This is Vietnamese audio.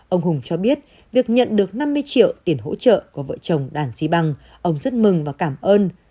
ông hùng cho biết việc nhận được năm mươi triệu tiền hỗ trợ của vợ chồng đàn trí băng ông rất mừng và cảm ơn